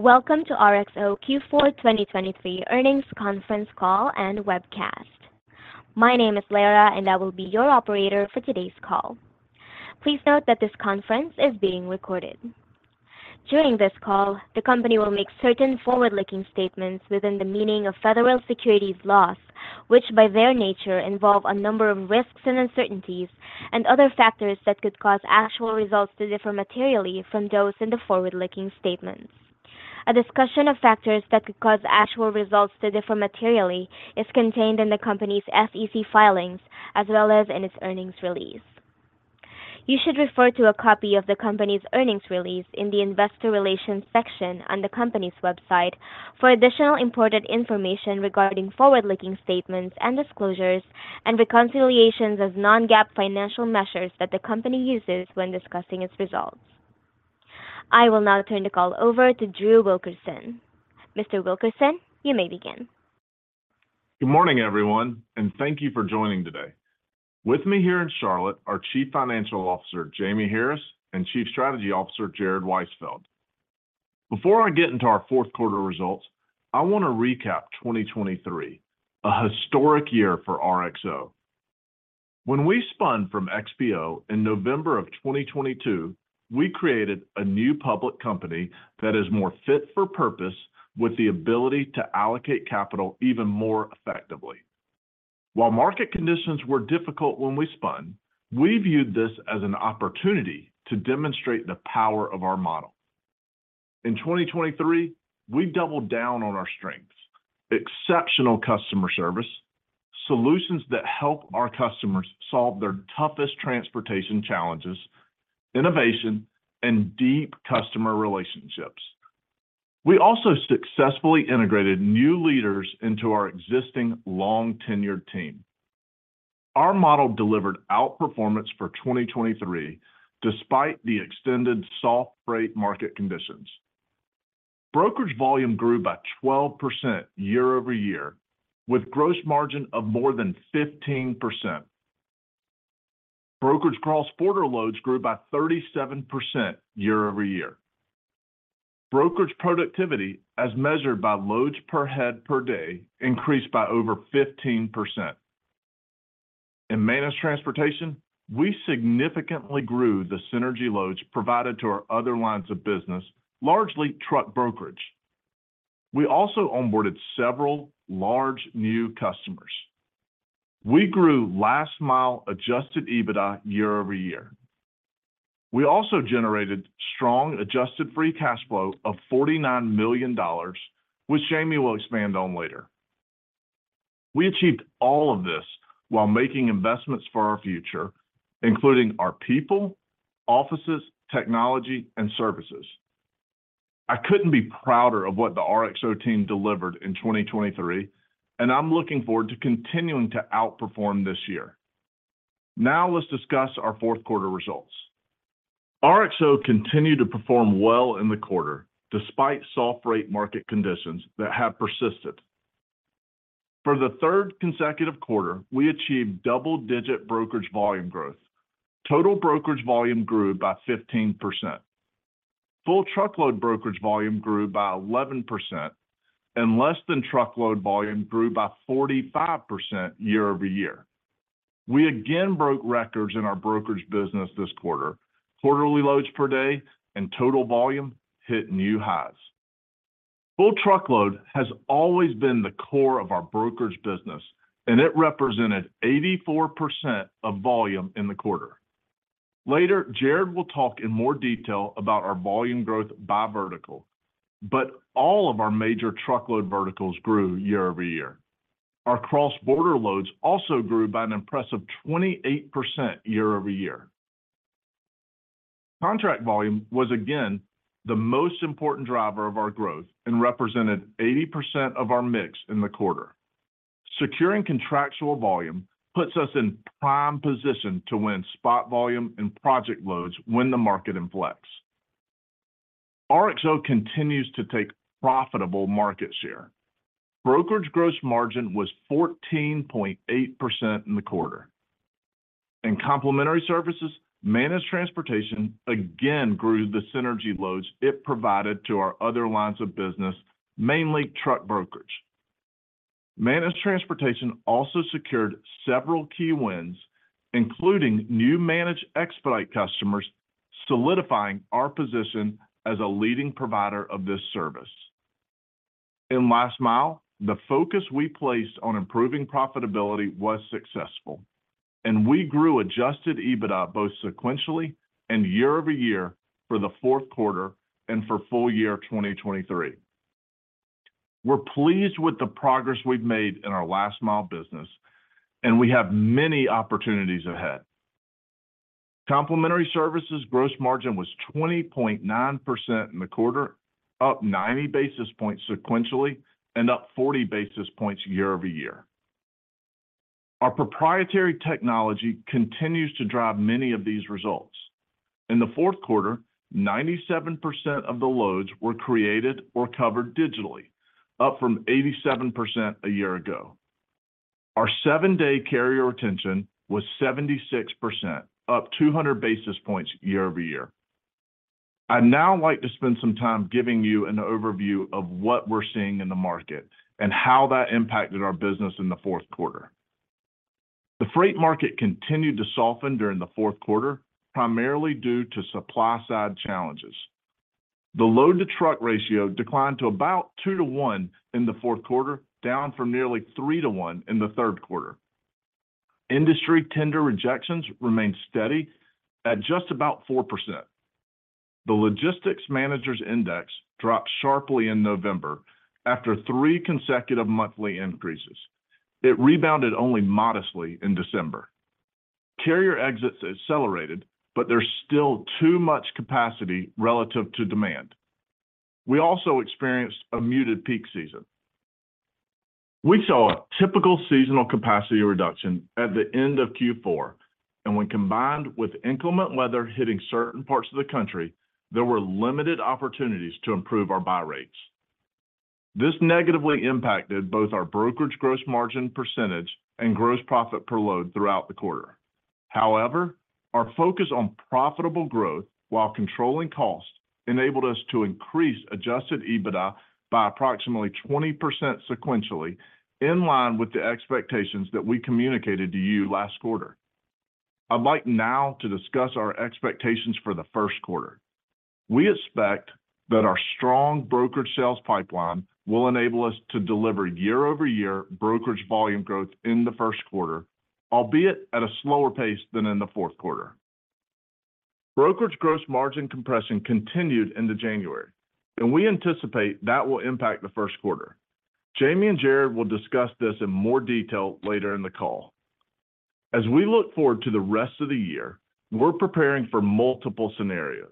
Welcome to RXO Q4 2023 earnings conference call and webcast. My name is Lara, and I will be your operator for today's call. Please note that this conference is being recorded. During this call, the company will make certain forward-looking statements within the meaning of federal securities laws, which, by their nature, involve a number of risks and uncertainties and other factors that could cause actual results to differ materially from those in the forward-looking statements. A discussion of factors that could cause actual results to differ materially is contained in the company's SEC filings as well as in its earnings release. You should refer to a copy of the company's earnings release in the Investor Relations section on the company's website for additional important information regarding forward-looking statements and disclosures and reconciliations of non-GAAP financial measures that the company uses when discussing its results. I will now turn the call over to Drew Wilkerson. Mr. Wilkerson, you may begin. Good morning, everyone, and thank you for joining today. With me here in Charlotte, our Chief Financial Officer, Jamie Harris, and Chief Strategy Officer, Jared Weisfeld. Before I get into our fourth quarter results, I want to recap 2023, a historic year for RXO. When we spun from XPO in November of 2022, we created a new public company that is more fit for purpose, with the ability to allocate capital even more effectively. While market conditions were difficult when we spun, we viewed this as an opportunity to demonstrate the power of our model. In 2023, we've doubled down on our strengths: exceptional customer service, solutions that help our customers solve their toughest transportation challenges, innovation, and deep customer relationships. We also successfully integrated new leaders into our existing long-tenured team. Our model delivered outperformance for 2023, despite the extended soft freight market conditions. Brokerage volume grew by 12% year-over-year, with gross margin of more than 15%. Brokerage cross-border loads grew by 37% year-over-year. Brokerage productivity, as measured by loads per head per day, increased by over 15%. In Managed Transportation, we significantly grew the synergy loads provided to our other lines of business, largely truck brokerage. We also onboarded several large new customers. We grew Last Mile adjusted EBITDA year-over-year. We also generated strong adjusted free cash flow of $49 million, which Jamie will expand on later. We achieved all of this while making investments for our future, including our people, offices, technology, and services. I couldn't be prouder of what the RXO team delivered in 2023, and I'm looking forward to continuing to outperform this year. Now, let's discuss our fourth quarter results. RXO continued to perform well in the quarter, despite soft freight market conditions that have persisted. For the third consecutive quarter, we achieved double-digit brokerage volume growth. Total brokerage volume grew by 15%. Full Truckload brokerage volume grew by 11%, and Less-Than-Truckload volume grew by 45% year-over-year. We again broke records in our brokerage business this quarter. Quarterly loads per day and total volume hit new highs. Full Truckload has always been the core of our brokerage business, and it represented 84% of volume in the quarter. Later, Jared will talk in more detail about our volume growth by vertical, but all of our major truckload verticals grew year-over-year. Our Cross-Border loads also grew by an impressive 28% year-over-year. Contract volume was again the most important driver of our growth and represented 80% of our mix in the quarter. Securing contractual volume puts us in prime position to win spot volume and project loads when the market inflects. RXO continues to take profitable market share. Brokerage gross margin was 14.8% in the quarter. In Complementary Services, Managed Transportation again grew the synergy loads it provided to our other lines of business, mainly truck brokerage. Managed Transportation also secured several key wins, including new Managed Expedite customers, solidifying our position as a leading provider of this service. In Last Mile, the focus we placed on improving profitability was successful, and we grew adjusted EBITDA both sequentially and year-over-year for the fourth quarter and for full year 2023. We're pleased with the progress we've made in our Last Mile business, and we have many opportunities ahead. Complementary Services gross margin was 20.9% in the quarter, up 90 basis points sequentially and up 40 basis points year-over-year. Our proprietary technology continues to drive many of these results. In the fourth quarter, 97% of the loads were created or covered digitally, up from 87% a year ago. Our seven-day carrier retention was 76%, up 200 basis points year-over-year. I'd now like to spend some time giving you an overview of what we're seeing in the market and how that impacted our business in the fourth quarter. The freight market continued to soften during the fourth quarter, primarily due to supply-side challenges. The Load-to-Truck ratio declined to about two-to-one in the fourth quarter, down from nearly three-to-one in the third quarter. Industry tender rejections remained steady at just about 4%. The Logistics Managers' Index dropped sharply in November after three consecutive monthly increases. It rebounded only modestly in December. Carrier exits accelerated, but there's still too much capacity relative to demand. We also experienced a muted peak season. We saw a typical seasonal capacity reduction at the end of Q4, and when combined with inclement weather hitting certain parts of the country, there were limited opportunities to improve our buy rates. This negatively impacted both our Brokerage gross margin percentage and gross profit per load throughout the quarter. However, our focus on profitable growth while controlling costs enabled us to increase adjusted EBITDA by approximately 20% sequentially, in line with the expectations that we communicated to you last quarter. I'd like now to discuss our expectations for the first quarter. We expect that our strong brokerage sales pipeline will enable us to deliver year-over-year brokerage volume growth in the first quarter, albeit at a slower pace than in the fourth quarter. Brokerage gross margin compression continued into January, and we anticipate that will impact the first quarter. Jamie and Jared will discuss this in more detail later in the call. As we look forward to the rest of the year, we're preparing for multiple scenarios.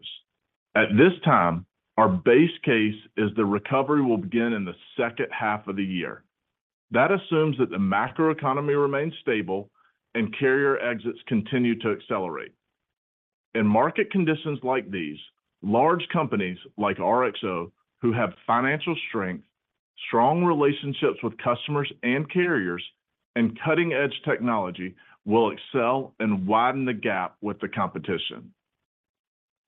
At this time, our base case is the recovery will begin in the second half of the year. That assumes that the macroeconomy remains stable and carrier exits continue to accelerate. In market conditions like these, large companies like RXO, who have financial strength, strong relationships with customers and carriers, and cutting-edge technology, will excel and widen the gap with the competition.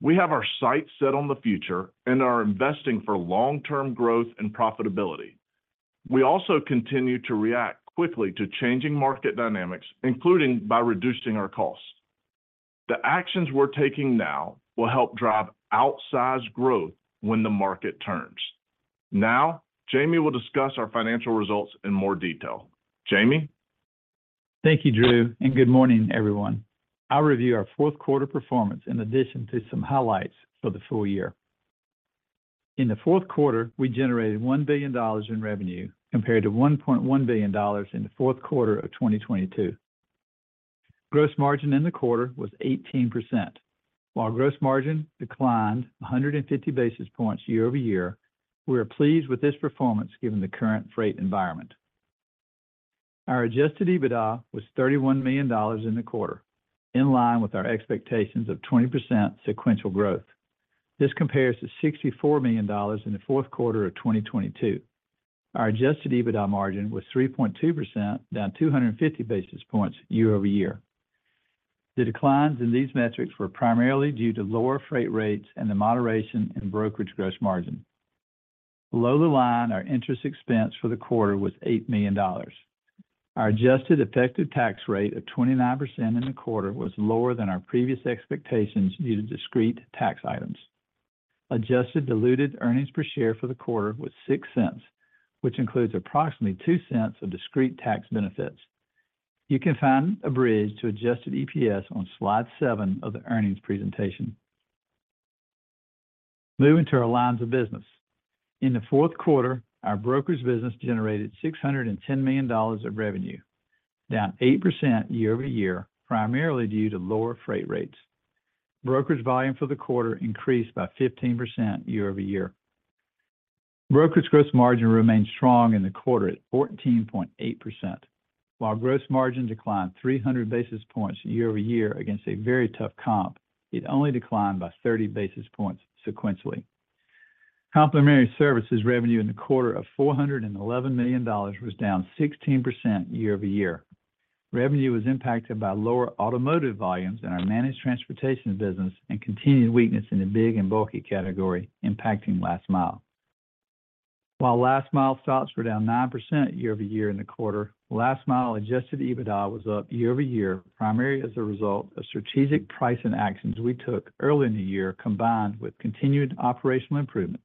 We have our sights set on the future and are investing for long-term growth and profitability. We also continue to react quickly to changing market dynamics, including by reducing our costs. The actions we're taking now will help drive outsized growth when the market turns. Now, Jamie will discuss our financial results in more detail. Jamie? Thank you, Drew, and good morning, everyone. I'll review our fourth quarter performance in addition to some highlights for the full year. In the fourth quarter, we generated $1 billion in revenue, compared to $1.1 billion in the fourth quarter of 2022. Gross margin in the quarter was 18%, while gross margin declined 150 basis points year-over-year. We are pleased with this performance, given the current freight environment. Our adjusted EBITDA was $31 million in the quarter, in line with our expectations of 20% sequential growth. This compares to $64 million in the fourth quarter of 2022. Our adjusted EBITDA margin was 3.2%, down 250 basis points year-over-year. The declines in these metrics were primarily due to lower freight rates and the moderation in brokerage gross margin. Below the line, our interest expense for the quarter was $8 million. Our adjusted effective tax rate of 29% in the quarter was lower than our previous expectations due to discrete tax items. Adjusted diluted earnings per share for the quarter was $0.06, which includes approximately $0.02 of discrete tax benefits. You can find a bridge to adjusted EPS on slide seven of the earnings presentation. Moving to our lines of business. In the fourth quarter, our brokerage business generated $610 million of revenue, down 8% year-over-year, primarily due to lower freight rates. Brokerage volume for the quarter increased by 15% year-over-year. Brokerage gross margin remained strong in the quarter at 14.8%, while gross margin declined 300 basis points year-over-year against a very tough comp. It only declined by 30 basis points sequentially. Complementary Services revenue in the quarter of $411 million was down 16% year-over-year. Revenue was impacted by lower automotive volumes in our Managed Transportation business and continued weakness in the big and bulky category, impacting Last Mile. While Last Mile stops were down 9% year-over-year in the quarter, Last Mile adjusted EBITDA was up year-over-year, primarily as a result of strategic pricing actions we took early in the year, combined with continued operational improvements.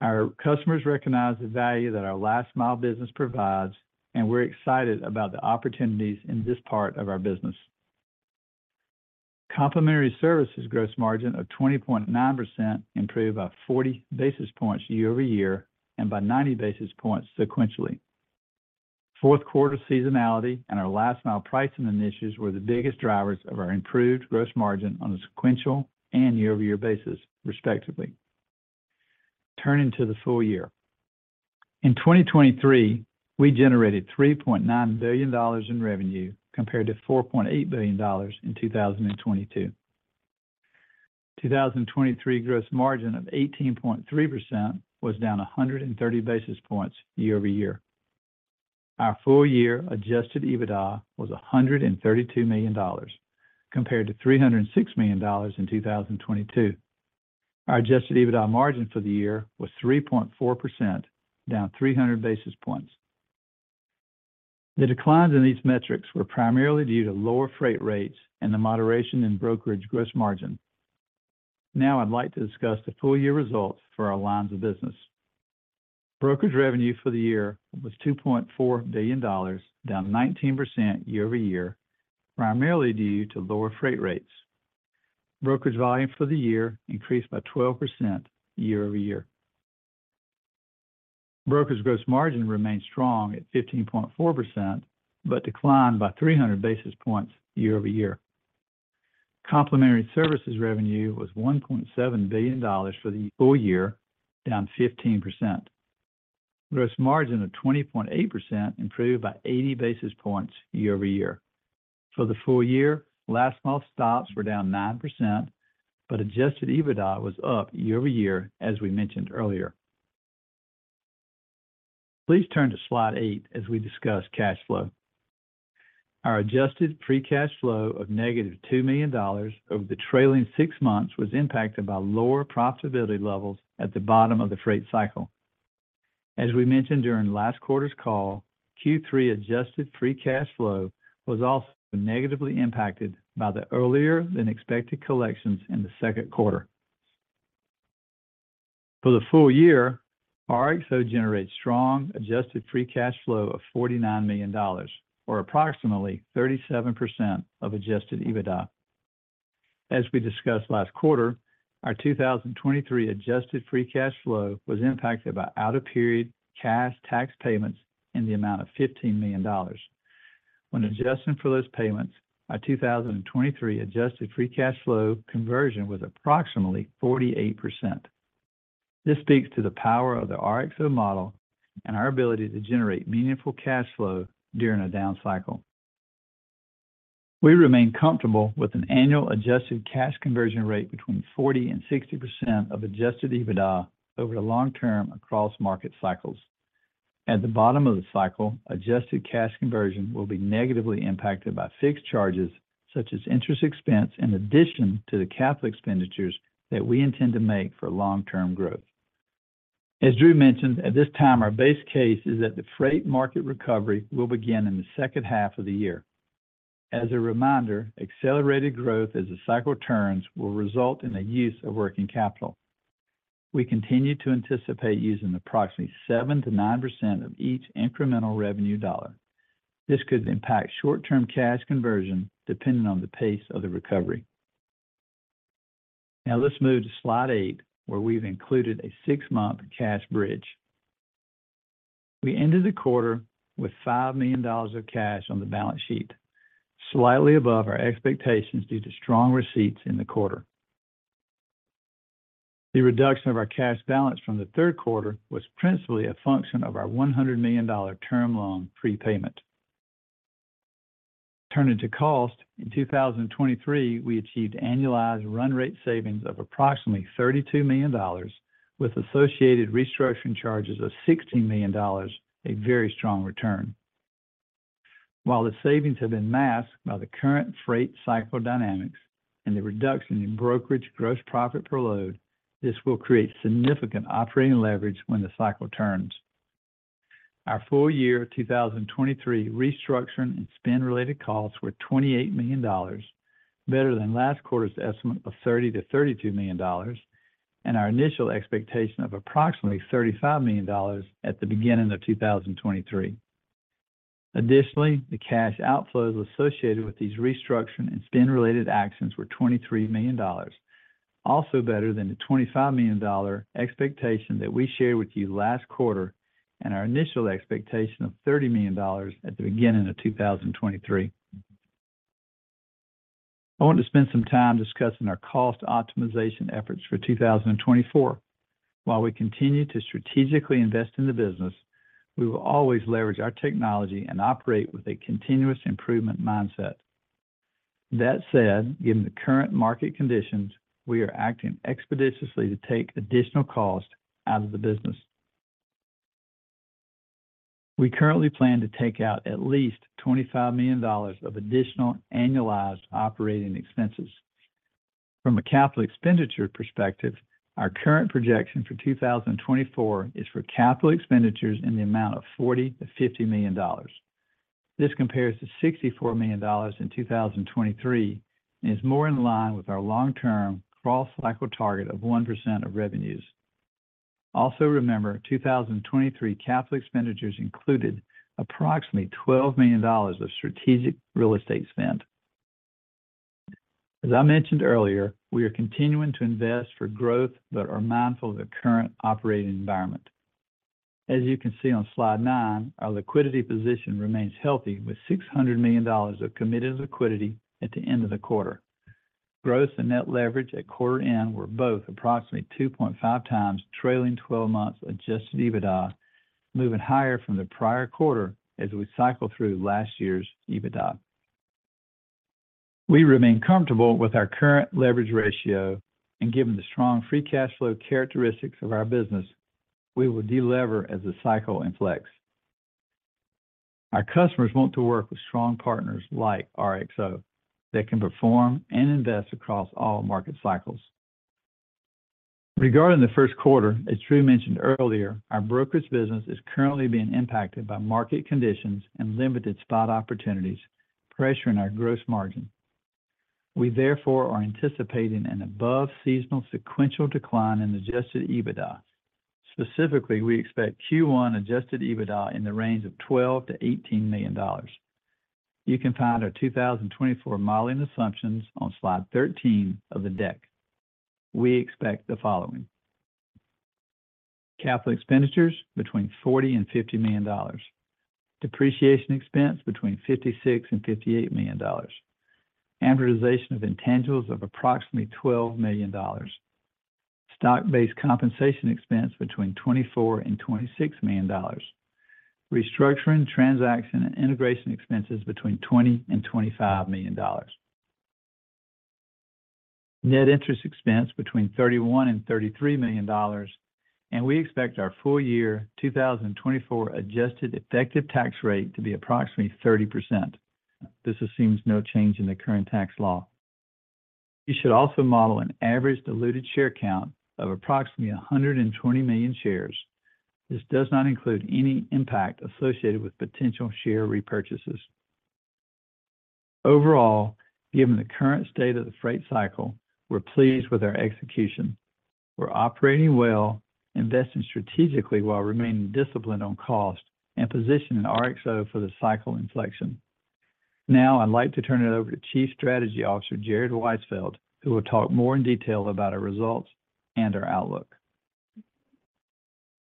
Our customers recognize the value that our Last Mile business provides, and we're excited about the opportunities in this part of our business. Complementary Services gross margin of 20.9% improved by 40 basis points year-over-year and by 90 basis points sequentially. Fourth quarter seasonality and our Last Mile pricing initiatives were the biggest drivers of our improved gross margin on a sequential and year-over-year basis, respectively. Turning to the full year. In 2023, we generated $3.9 billion in revenue, compared to $4.8 billion in 2022. 2023 gross margin of 18.3% was down 130 basis points year-over-year. Our full year adjusted EBITDA was $132 million, compared to $306 million in 2022. Our adjusted EBITDA margin for the year was 3.4%, down 300 basis points. The declines in these metrics were primarily due to lower freight rates and the moderation in brokerage gross margin. Now, I'd like to discuss the full year results for our lines of business. Brokerage revenue for the year was $2.4 billion, down 19% year-over-year, primarily due to lower freight rates. Brokerage volume for the year increased by 12% year-over-year. Brokerage gross margin remained strong at 15.4%, but declined by 300 basis points year-over-year. Complementary Services revenue was $1.7 billion for the full year, down 15%. Gross margin of 20.8% improved by 80 basis points year-over-year. For the full year, Last Mile stops were down 9%, but adjusted EBITDA was up year-over-year, as we mentioned earlier. Please turn to slide eight as we discuss cash flow. Our adjusted free cash flow of -$2 million over the trailing six months was impacted by lower profitability levels at the bottom of the freight cycle. As we mentioned during last quarter's call, Q3 adjusted free cash flow was also negatively impacted by the earlier than expected collections in the second quarter. For the full year, RXO generates strong adjusted free cash flow of $49 million, or approximately 37% of adjusted EBITDA. As we discussed last quarter, our 2023 adjusted free cash flow was impacted by out-of-period cash tax payments in the amount of $15 million. When adjusting for those payments, our 2023 adjusted free cash flow conversion was approximately 48%. This speaks to the power of the RXO model and our ability to generate meaningful cash flow during a down cycle. We remain comfortable with an annual adjusted cash conversion rate between 40%-60% of adjusted EBITDA over the long term across market cycles. At the bottom of the cycle, adjusted cash conversion will be negatively impacted by fixed charges, such as interest expense, in addition to the capital expenditures that we intend to make for long-term growth. As Drew mentioned, at this time, our base case is that the freight market recovery will begin in the second half of the year. As a reminder, accelerated growth as the cycle turns will result in a use of working capital. We continue to anticipate using approximately 7%-9% of each incremental revenue dollar. This could impact short-term cash conversion, depending on the pace of the recovery. Now, let's move to slide eight, where we've included a six-month cash bridge. We ended the quarter with $5 million of cash on the balance sheet, slightly above our expectations due to strong receipts in the quarter. The reduction of our cash balance from the third quarter was principally a function of our $100 million term loan prepayment. Turning to cost, in 2023, we achieved annualized run rate savings of approximately $32 million, with associated restructuring charges of $16 million, a very strong return. While the savings have been masked by the current freight cycle dynamics and the reduction in brokerage gross profit per load, this will create significant operating leverage when the cycle turns. Our full year 2023 restructuring and spend-related costs were $28 million, better than last quarter's estimate of $30 million-$32 million, and our initial expectation of approximately $35 million at the beginning of 2023. Additionally, the cash outflows associated with these restructuring and spend-related actions were $23 million, also better than the $25 million dollar expectation that we shared with you last quarter, and our initial expectation of $30 million at the beginning of 2023. I want to spend some time discussing our cost optimization efforts for 2024. While we continue to strategically invest in the business, we will always leverage our technology and operate with a continuous improvement mindset. That said, given the current market conditions, we are acting expeditiously to take additional cost out of the business. We currently plan to take out at least $25 million of additional annualized operating expenses. From a capital expenditure perspective, our current projection for 2024 is for capital expenditures in the amount of $40 million-$50 million. This compares to $64 million in 2023 and is more in line with our long-term cross-cycle target of 1% of revenues. Also, remember, 2023 capital expenditures included approximately $12 million of strategic real estate spend. As I mentioned earlier, we are continuing to invest for growth, but are mindful of the current operating environment. As you can see on slide nine, our liquidity position remains healthy, with $600 million of committed liquidity at the end of the quarter. Gross and net leverage at quarter end were both approximately 2.5 times trailing 12 months adjusted EBITDA, moving higher from the prior quarter as we cycle through last year's EBITDA. We remain comfortable with our current leverage ratio, and given the strong free cash flow characteristics of our business, we will de-lever as the cycle inflects. Our customers want to work with strong partners like RXO that can perform and invest across all market cycles. Regarding the first quarter, as Drew mentioned earlier, our brokerage business is currently being impacted by market conditions and limited spot opportunities, pressuring our gross margin. We therefore are anticipating an above-seasonal sequential decline in adjusted EBITDA. Specifically, we expect Q1 adjusted EBITDA in the range of $12 million-$18 million. You can find our 2024 modeling assumptions on slide 13 of the deck. We expect the following: capital expenditures between $40 million-$50 million, depreciation expense between $56 million-$58 million, amortization of intangibles of approximately $12 million, stock-based compensation expense between $24 million-$26 million, restructuring, transaction, and integration expenses between $20 million-$25 million, net interest expense between $31 million-$33 million, and we expect our full year 2024 adjusted effective tax rate to be approximately 30%. This assumes no change in the current tax law. You should also model an average diluted share count of approximately 120 million shares. This does not include any impact associated with potential share repurchases. Overall, given the current state of the freight cycle, we're pleased with our execution. We're operating well, investing strategically while remaining disciplined on cost and positioning RXO for the cycle inflection. Now, I'd like to turn it over to Chief Strategy Officer, Jared Weisfeld, who will talk more in detail about our results and our outlook.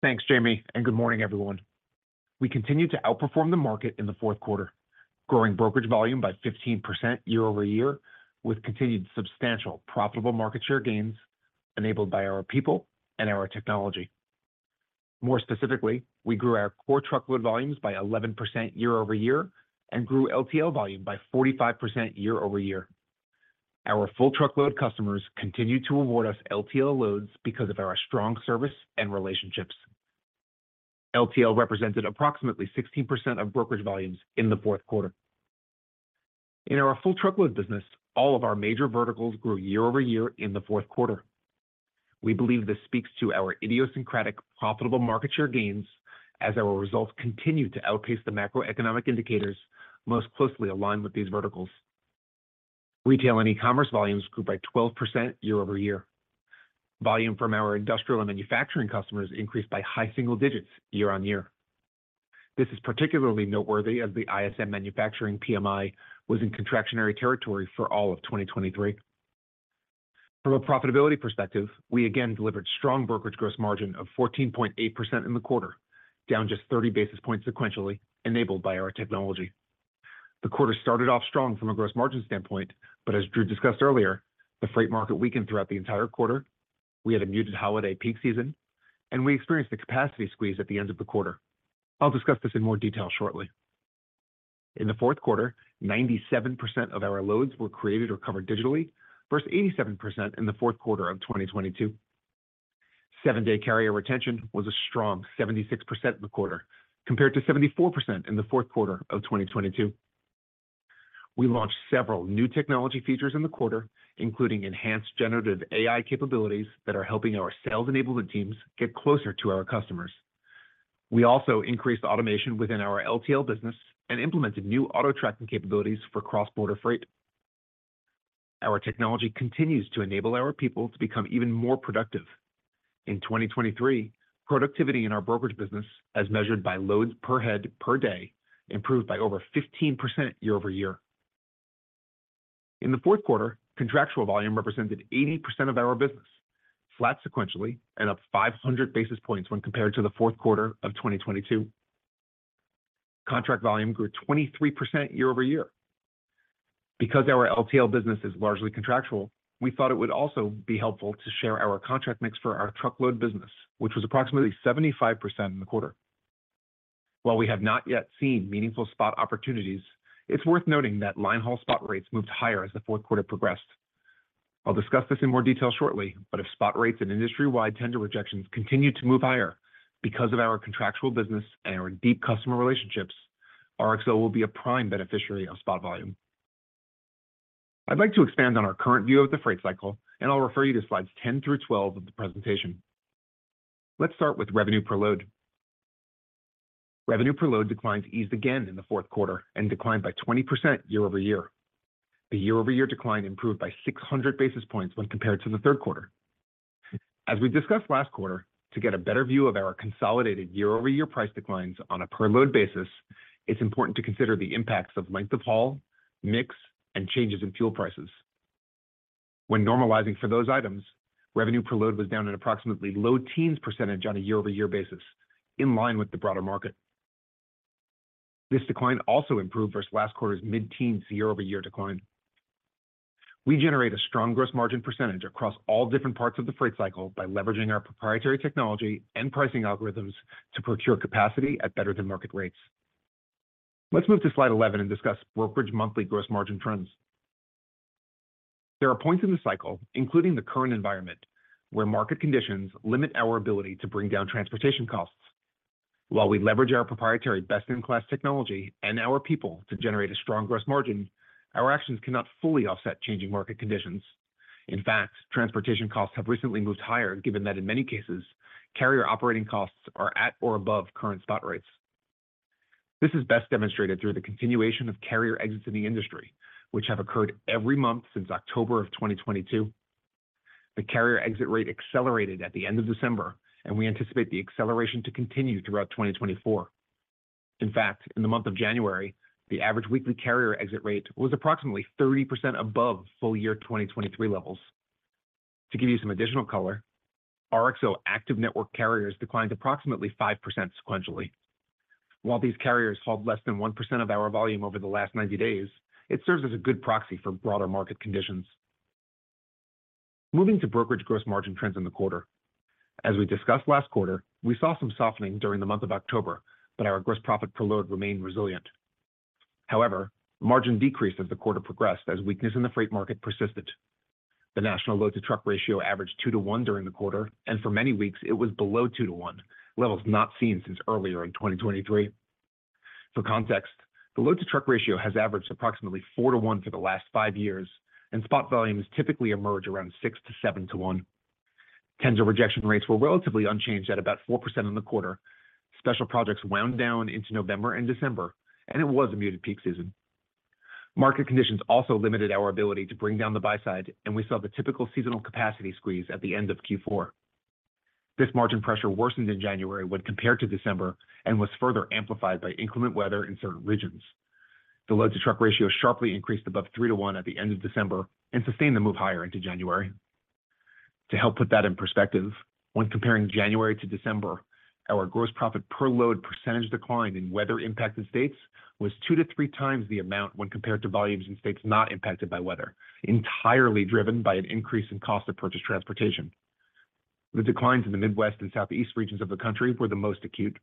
Thanks, Jamie, and good morning, everyone. We continued to outperform the market in the fourth quarter, growing brokerage volume by 15% year-over-year, with continued substantial profitable market share gains enabled by our people and our technology. More specifically, we grew our core truckload volumes by 11% year-over-year and grew LTL volume by 45% year-over-year. Our Full Truckload customers continued to award us LTL loads because of our strong service and relationships. LTL represented approximately 16% of brokerage volumes in the fourth quarter. In our Full Truckload business, all of our major verticals grew year-over-year in the fourth quarter. We believe this speaks to our idiosyncratic, profitable market share gains as our results continue to outpace the macroeconomic indicators most closely aligned with these verticals. Retail and e-commerce volumes grew by 12% year-over-year. Volume from our industrial and manufacturing customers increased by high single digits year-on-year. This is particularly noteworthy as the ISM Manufacturing PMI was in contractionary territory for all of 2023. From a profitability perspective, we again delivered strong brokerage gross margin of 14.8% in the quarter, down just 30 basis points sequentially, enabled by our technology. The quarter started off strong from a gross margin standpoint, but as Drew discussed earlier, the freight market weakened throughout the entire quarter. We had a muted holiday peak season, and we experienced a capacity squeeze at the end of the quarter. I'll discuss this in more detail shortly. In the fourth quarter, 97% of our loads were created or covered digitally, versus 87% in the fourth quarter of 2022. Seven-day carrier retention was a strong 76% in the quarter, compared to 74% in the fourth quarter of 2022. We launched several new technology features in the quarter, including enhanced generative AI capabilities that are helping our sales enablement teams get closer to our customers. We also increased automation within our LTL business and implemented new auto-tracking capabilities for cross-border freight. Our technology continues to enable our people to become even more productive. In 2023, productivity in our brokerage business, as measured by loads per head per day, improved by over 15% year-over-year. In the fourth quarter, contractual volume represented 80% of our business, flat sequentially and up 500 basis points when compared to the fourth quarter of 2022. Contract volume grew 23% year-over-year. Because our LTL business is largely contractual, we thought it would also be helpful to share our contract mix for our truckload business, which was approximately 75% in the quarter. While we have not yet seen meaningful spot opportunities, it's worth noting that line haul spot rates moved higher as the fourth quarter progressed. I'll discuss this in more detail shortly, but if spot rates and industry-wide tender rejections continue to move higher because of our contractual business and our deep customer relationships, RXO will be a prime beneficiary of spot volume. I'd like to expand on our current view of the freight cycle, and I'll refer you to slides 10 through 12 of the presentation. Let's start with revenue per load. Revenue per load declines eased again in the fourth quarter and declined by 20% year-over-year. The year-over-year decline improved by 600 basis points when compared to the third quarter. As we discussed last quarter, to get a better view of our consolidated year-over-year price declines on a per load basis, it's important to consider the impacts of length of haul, mix, and changes in fuel prices. When normalizing for those items, revenue per load was down at approximately low teens percent on a year-over-year basis, in line with the broader market. This decline also improved versus last quarter's mid-teens percent year-over-year decline. We generate a strong gross margin percentage across all different parts of the freight cycle by leveraging our proprietary technology and pricing algorithms to procure capacity at better-than-market rates. Let's move to slide 11 and discuss brokerage monthly gross margin trends. There are points in the cycle, including the current environment, where market conditions limit our ability to bring down transportation costs. While we leverage our proprietary best-in-class technology and our people to generate a strong gross margin, our actions cannot fully offset changing market conditions. In fact, transportation costs have recently moved higher, given that in many cases, carrier operating costs are at or above current spot rates. This is best demonstrated through the continuation of carrier exits in the industry, which have occurred every month since October of 2022. The carrier exit rate accelerated at the end of December, and we anticipate the acceleration to continue throughout 2024. In fact, in the month of January, the average weekly carrier exit rate was approximately 30% above full year 2023 levels. To give you some additional color, RXO active network carriers declined approximately 5% sequentially. While these carriers hauled less than 1% of our volume over the last 90 days, it serves as a good proxy for broader market conditions. Moving to brokerage gross margin trends in the quarter. As we discussed last quarter, we saw some softening during the month of October, but our gross profit per load remained resilient. However, margin decreased as the quarter progressed as weakness in the freight market persisted. The national Load-to-Truck ratio averaged two-to-one during the quarter, and for many weeks it was below two-to-one, levels not seen since earlier in 2023. For context, the Load-to-Truck ratio has averaged approximately four-to-one for the last five years, and spot volumes typically emerge around six-to-seven-to-one. Tender rejection rates were relatively unchanged at about 4% in the quarter. Special projects wound down into November and December, and it was a muted peak season. Market conditions also limited our ability to bring down the buy side, and we saw the typical seasonal capacity squeeze at the end of Q4. This margin pressure worsened in January when compared to December and was further amplified by inclement weather in certain regions. The Load-to-Truck ratio sharply increased above three-to-one at the end of December and sustained the move higher into January. To help put that in perspective, when comparing January to December, our gross profit per load percentage decline in weather-impacted states was two to three times the amount when compared to volumes in states not impacted by weather, entirely driven by an increase in cost of purchased transportation. The declines in the Midwest and Southeast regions of the country were the most acute.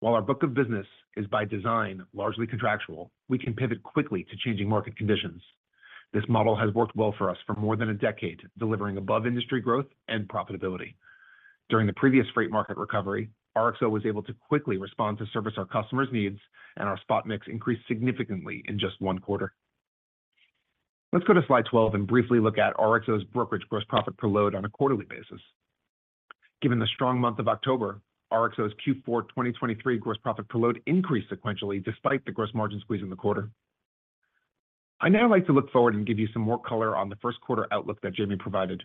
While our book of business is by design, largely contractual, we can pivot quickly to changing market conditions. This model has worked well for us for more than a decade, delivering above-industry growth and profitability. During the previous freight market recovery, RXO was able to quickly respond to service our customers' needs, and our spot mix increased significantly in just one quarter. Let's go to slide 12 and briefly look at RXO's brokerage gross profit per load on a quarterly basis. Given the strong month of October, RXO's Q4 2023 gross profit per load increased sequentially, despite the gross margin squeeze in the quarter. I'd now like to look forward and give you some more color on the first quarter outlook that Jamie provided.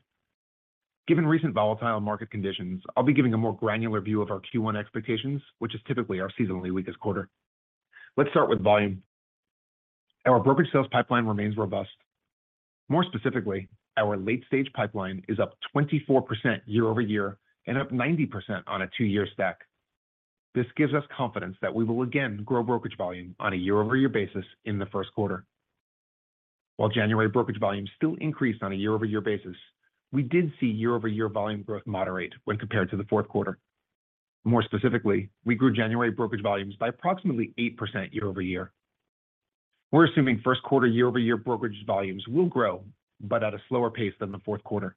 Given recent volatile market conditions, I'll be giving a more granular view of our Q1 expectations, which is typically our seasonally weakest quarter. Let's start with volume. Our brokerage sales pipeline remains robust. More specifically, our late-stage pipeline is up 24% year-over-year and up 90% on a two-year stack. This gives us confidence that we will again grow brokerage volume on a year-over-year basis in the first quarter. While January brokerage volumes still increased on a year-over-year basis, we did see year-over-year volume growth moderate when compared to the fourth quarter. More specifically, we grew January brokerage volumes by approximately 8% year-over-year. We're assuming first quarter year-over-year brokerage volumes will grow, but at a slower pace than the fourth quarter.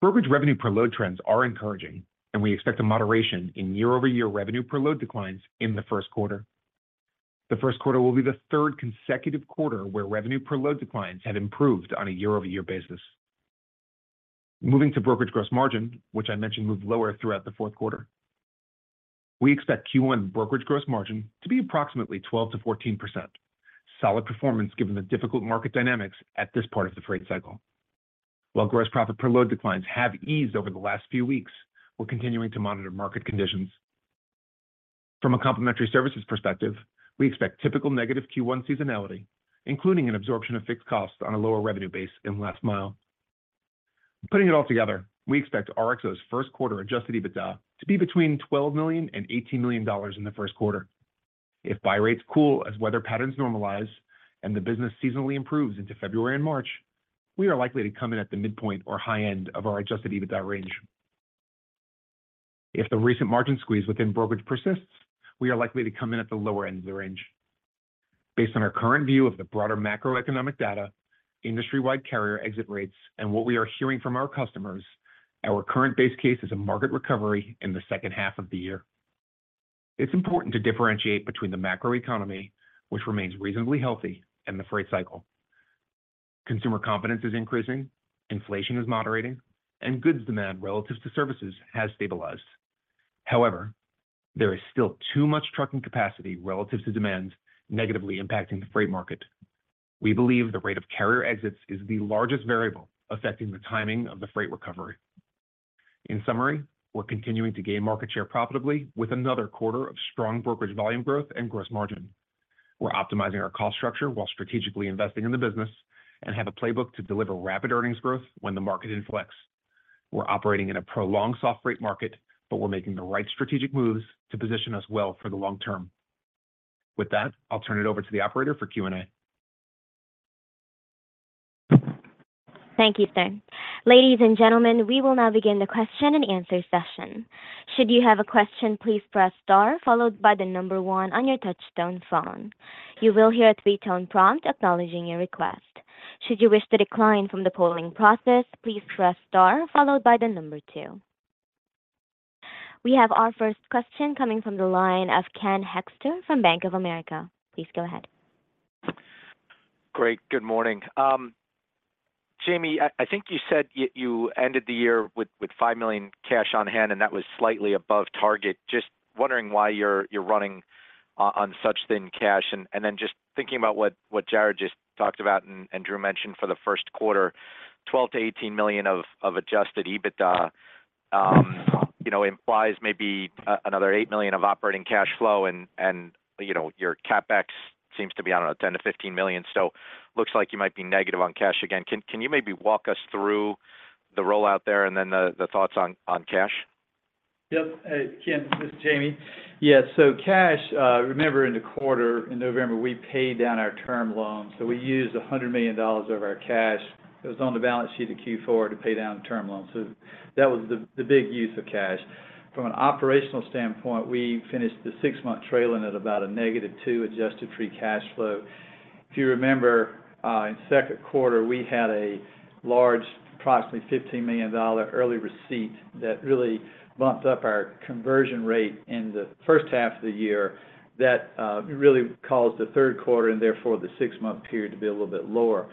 Brokerage revenue per load trends are encouraging, and we expect a moderation in year-over-year revenue per load declines in the first quarter. The first quarter will be the third consecutive quarter where revenue per load declines have improved on a year-over-year basis. Moving to brokerage gross margin, which I mentioned moved lower throughout the fourth quarter. We expect Q1 brokerage gross margin to be approximately 12%-14%. Solid performance given the difficult market dynamics at this part of the freight cycle. While gross profit per load declines have eased over the last few weeks, we're continuing to monitor market conditions. From a Complementary Services perspective, we expect typical negative Q1 seasonality, including an absorption of fixed costs on a lower revenue base in Last Mile. Putting it all together, we expect RXO's first quarter adjusted EBITDA to be between $12 million and $18 million in the first quarter. If buy rates cool as weather patterns normalize and the business seasonally improves into February and March, we are likely to come in at the midpoint or high end of our adjusted EBITDA range. If the recent margin squeeze within brokerage persists, we are likely to come in at the lower end of the range. Based on our current view of the broader macroeconomic data, industry-wide carrier exit rates, and what we are hearing from our customers, our current base case is a market recovery in the second half of the year. It's important to differentiate between the macroeconomy, which remains reasonably healthy, and the freight cycle. Consumer confidence is increasing, inflation is moderating, and goods demand relative to services has stabilized. However, there is still too much trucking capacity relative to demand, negatively impacting the freight market. We believe the rate of carrier exits is the largest variable affecting the timing of the freight recovery. In summary, we're continuing to gain market share profitably with another quarter of strong brokerage volume growth and gross margin. We're optimizing our cost structure while strategically investing in the business, and have a playbook to deliver rapid earnings growth when the market inflects. We're operating in a prolonged soft freight market, but we're making the right strategic moves to position us well for the long term. With that, I'll turn it over to the operator for Q&A. Thank you, sir. Ladies and gentlemen, we will now begin the question and answer session. Should you have a question, please press star followed by the number one on your touchtone phone. You will hear a three-tone prompt acknowledging your request. Should you wish to decline from the polling process, please press star followed by the number two. We have our first question coming from the line of Ken Hoexter from Bank of America. Please go ahead. Great. Good morning. Jamie, I think you said you ended the year with $5 million cash on hand, and that was slightly above target. Just wondering why you're running on such thin cash, and then just thinking about what Jared just talked about and Drew mentioned for the first quarter, $12 million-$18 million of adjusted EBITDA, you know, implies maybe another $8 million of operating cash flow, and you know, your CapEx seems to be, I don't know, $10 million-$15 million. So looks like you might be negative on cash again. Can you maybe walk us through the rollout there, and then the thoughts on cash? Yep. Ken, this is Jamie. Yeah, so cash, remember in the quarter, in November, we paid down our term loan, so we used $100 million of our cash. It was on the balance sheet of Q4 to pay down the term loan. So that was the big use of cash. From an operational standpoint, we finished the six-month trailing at about a negative two adjusted free cash flow. If you remember, in second quarter, we had a large, approximately $15 million early receipt that really bumped up our conversion rate in the first half of the year. That really caused the third quarter, and therefore, the six-month period to be a little bit lower.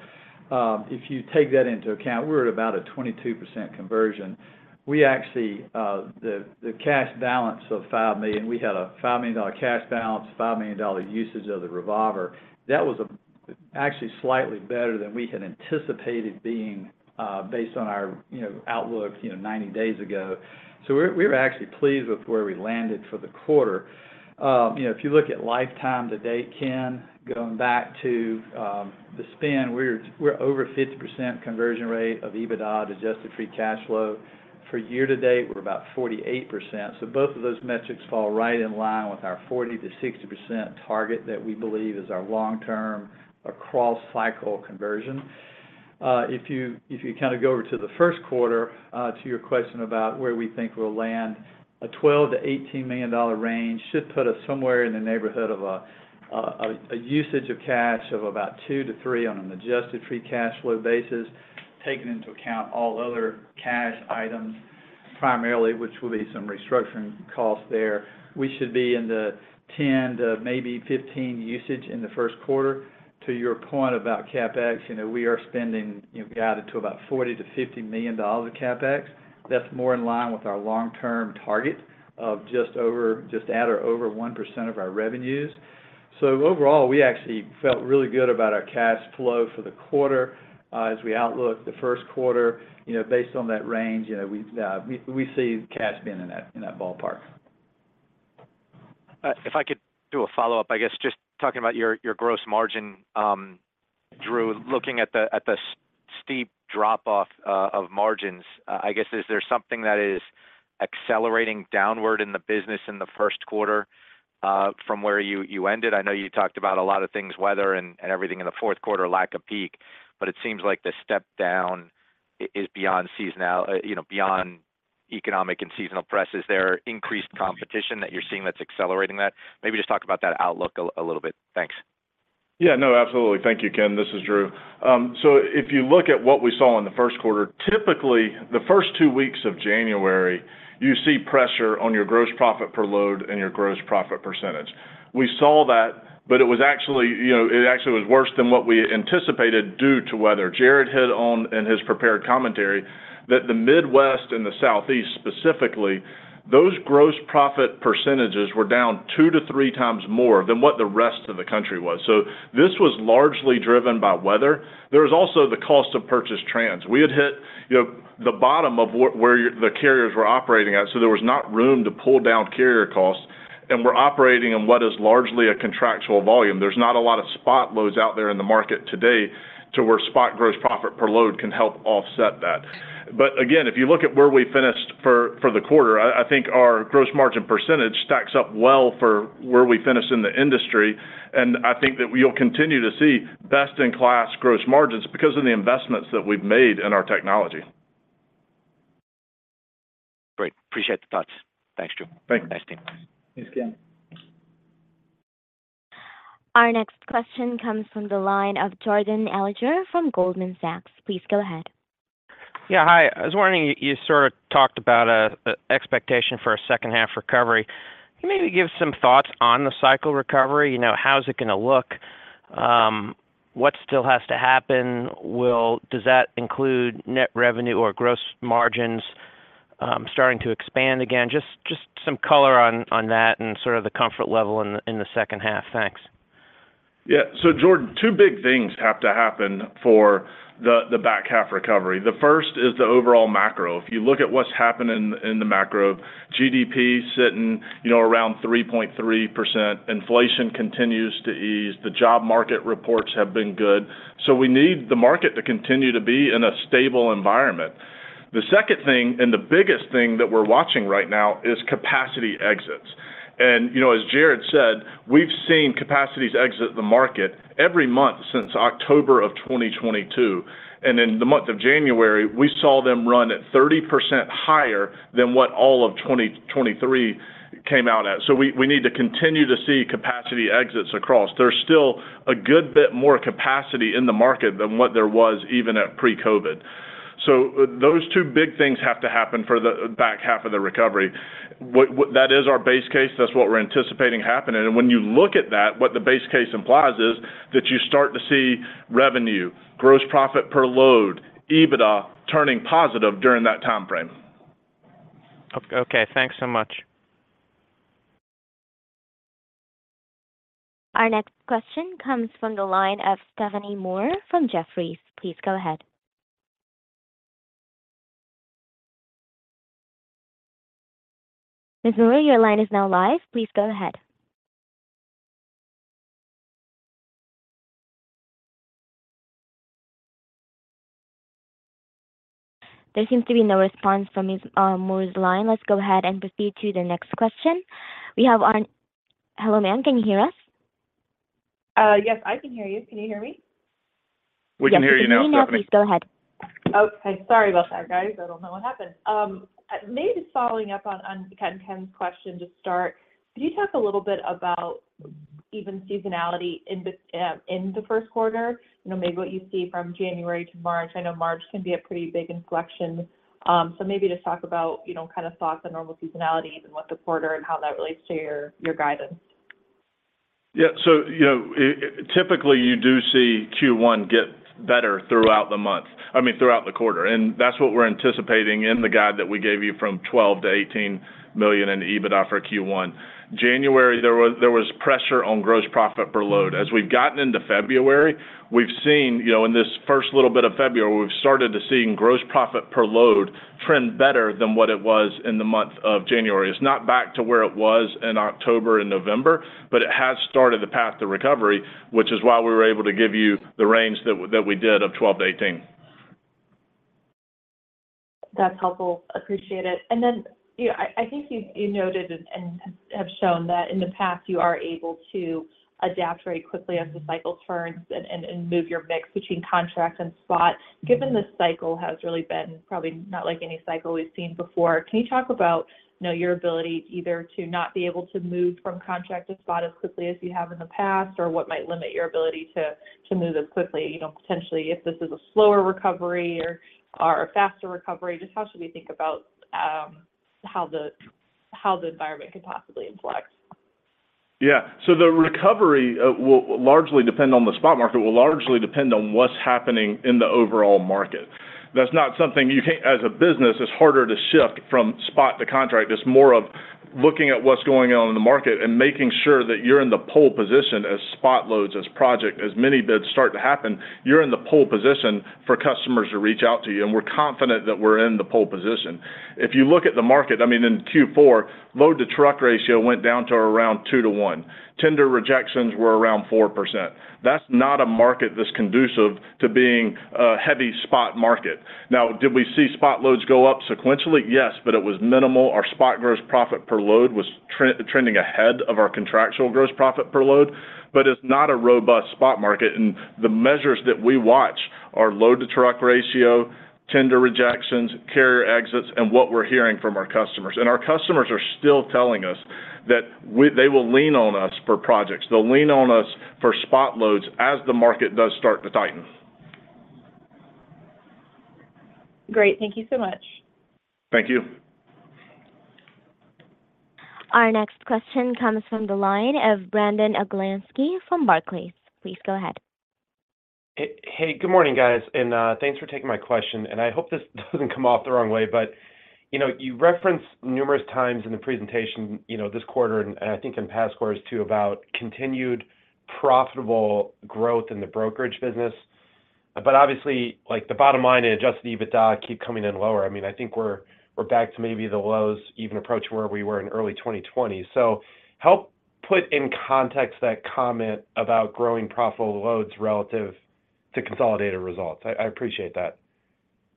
If you take that into account, we're at about a 22% conversion. We actually... The cash balance of $5 million, we had a $5 million cash balance, $5 million usage of the revolver. That was actually slightly better than we had anticipated being based on our, you know, outlook, you know, 90 days ago. So we're, we're actually pleased with where we landed for the quarter. You know, if you look at lifetime to date, Ken, going back to the spend, we're, we're over 50% conversion rate of EBITDA to adjusted free cash flow. For year-to-date, we're about 48%. So both of those metrics fall right in line with our 40%-60% target that we believe is our long-term across cycle conversion. If you, if you kind of go over to the first quarter, to your question about where we think we'll land, a $12 million-$18 million range should put us somewhere in the neighborhood of a usage of cash of about $2 million-$3 million on an adjusted free cash flow basis, taking into account all other cash items, primarily, which will be some restructuring costs there. We should be in the $10 million to maybe $15 million usage in the first quarter. To your point about CapEx, you know, we are spending, you know, guided to about $40 million-$50 million of CapEx. That's more in line with our long-term target of just at or over 1% of our revenues. So overall, we actually felt really good about our cash flow for the quarter. As we outlook the first quarter, you know, based on that range, you know, we see cash being in that, in that ballpark. If I could do a follow-up, I guess just talking about your gross margin, Drew, looking at the steep drop-off of margins, I guess, is there something that is accelerating downward in the business in the first quarter from where you ended? I know you talked about a lot of things, weather and everything in the fourth quarter, lack of peak, but it seems like the step down is beyond seasonal, you know, beyond economic and seasonal pressures. Is there increased competition that you're seeing that's accelerating that? Maybe just talk about that outlook a little bit. Thanks. Yeah. No, absolutely. Thank you, Ken. This is Drew. So if you look at what we saw in the first quarter, typically the first two weeks of January, you see pressure on your gross profit per load and your gross profit percentage. We saw that, but it was actually, you know, it actually was worse than what we anticipated due to weather. Jared hit on in his prepared commentary, that the Midwest and the Southeast, specifically, those gross profit percentages were down two to three times more than what the rest of the country was. So this was largely driven by weather. There was also the cost of purchased trans. We had hit, you know, the bottom of where the carriers were operating at, so there was not room to pull down carrier costs. And we're operating in what is largely a contractual volume. There's not a lot of spot loads out there in the market today to where spot gross profit per load can help offset that. But again, if you look at where we finished for the quarter, I think our gross margin percentage stacks up well for where we finished in the industry, and I think that we'll continue to see best-in-class gross margins because of the investments that we've made in our technology. Great. Appreciate the thoughts. Thanks, Drew. Thank you. Thanks, team. Thanks, Ken. Our next question comes from the line of Jordan Alliger from Goldman Sachs. Please go ahead. Yeah, hi. I was wondering, you sort of talked about an expectation for a second half recovery. Can you maybe give some thoughts on the cycle recovery? You know, how is it gonna look? What still has to happen? Does that include net revenue or gross margins starting to expand again? Just some color on that and sort of the comfort level in the second half. Thanks. Yeah, so Jordan, two big things have to happen for the, the back half recovery. The first is the overall macro. If you look at what's happening in the macro, GDP sitting, you know, around 3.3%, inflation continues to ease, the job market reports have been good. So we need the market to continue to be in a stable environment. The second thing, and the biggest thing that we're watching right now, is capacity exits. And, you know, as Jared said, we've seen capacities exit the market every month since October of 2022, and in the month of January, we saw them run at 30% higher than what all of 2023 came out at. So we, we need to continue to see capacity exits across. There's still a good bit more capacity in the market than what there was even at pre-COVID. So those two big things have to happen for the back half of the recovery. That is our base case, that's what we're anticipating happening. When you look at that, what the base case implies is that you start to see revenue, gross profit per load, EBITDA turning positive during that time frame. Okay. Thanks so much. Our next question comes from the line of Stephanie Moore from Jefferies. Please go ahead. Ms. Moore, your line is now live. Please go ahead. There seems to be no response from Ms. Moore's line. Let's go ahead and proceed to the next question. We have... Hello, ma'am, can you hear us? Yes, I can hear you. Can you hear me? We can hear you now, Stephanie. Yes, we can hear now. Please, go ahead. Okay. Sorry about that, guys. I don't know what happened. Maybe following up on Ken's question to start, could you talk a little bit about even seasonality in the first quarter? You know, maybe what you see from January to March. I know March can be a pretty big inflection. So maybe just talk about, you know, kind of thoughts on normal seasonality and what the quarter and how that relates to your guidance. Yeah. So, you know, typically, you do see Q1 get better throughout the month, I mean, throughout the quarter, and that's what we're anticipating in the guide that we gave you from $12 million-$18 million in EBITDA for Q1. January, there was pressure on gross profit per load. As we've gotten into February, we've seen, you know, in this first little bit of February, we've started to see gross profit per load trend better than what it was in the month of January. It's not back to where it was in October and November, but it has started the path to recovery, which is why we were able to give you the range that we did of $12 million-$18 million. That's helpful. Appreciate it. And then, you know, I think you noted and have shown that in the past, you are able to adapt very quickly as the cycle turns and move your mix between contract and spot. Given this cycle has really been probably not like any cycle we've seen before, can you talk about, you know, your ability either to not be able to move from contract to spot as quickly as you have in the past, or what might limit your ability to move as quickly? You know, potentially, if this is a slower recovery or a faster recovery, just how should we think about how the environment could possibly inflect? Yeah. So the recovery will largely depend on the spot market, will largely depend on what's happening in the overall market. That's not something you can, as a business, it's harder to shift from spot to contract. It's more of looking at what's going on in the market and making sure that you're in the pole position as spot loads, as project, as mini bids start to happen, you're in the pole position for customers to reach out to you, and we're confident that we're in the pole position. If you look at the market, I mean, in Q4, Load-to-Truck ratio went down to around two-to-one. Tender rejections were around 4%. That's not a market that's conducive to being a heavy spot market. Now, did we see spot loads go up sequentially? Yes, but it was minimal. Our spot gross profit per load was trending ahead of our contractual gross profit per load, but it's not a robust spot market, and the measures that we watch are Load-to-Truck ratio, tender rejections, carrier exits, and what we're hearing from our customers. Our customers are still telling us that they will lean on us for projects. They'll lean on us for spot loads as the market does start to tighten. Great. Thank you so much. Thank you. Our next question comes from the line of Brandon Oglenski from Barclays. Please go ahead. Hey, good morning, guys, and thanks for taking my question, and I hope this doesn't come off the wrong way, but, you know, you referenced numerous times in the presentation, you know, this quarter, and I think in past quarters, too, about continued profitable growth in the brokerage business. But obviously, like, the bottom line and adjusted EBITDA keep coming in lower. I mean, I think we're back to maybe the lows, even approach where we were in early 2020. So help put in context that comment about growing profitable loads relative to consolidated results. I appreciate that.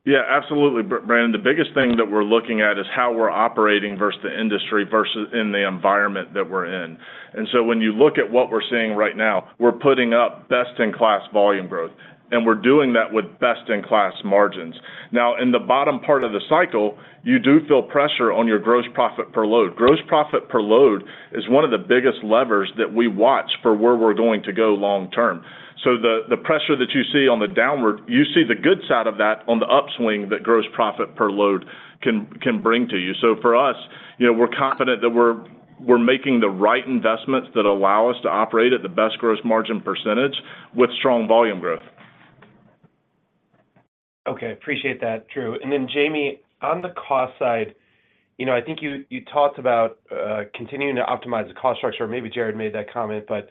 Yeah, absolutely, Brandon. The biggest thing that we're looking at is how we're operating versus the industry, versus in the environment that we're in. And so when you look at what we're seeing right now, we're putting up best-in-class volume growth, and we're doing that with best-in-class margins. Now, in the bottom part of the cycle, you do feel pressure on your gross profit per load. gross profit per load is one of the biggest levers that we watch for where we're going to go long term. So the pressure that you see on the downward, you see the good side of that on the upswing that gross profit per load can bring to you. So for us, you know, we're confident that we're making the right investments that allow us to operate at the best gross margin percentage with strong volume growth. Okay, appreciate that, Drew. And then Jamie, on the cost side, you know, I think you talked about continuing to optimize the cost structure. Maybe Jared made that comment, but